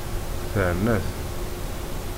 Terna-t.